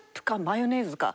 マヨネーズで。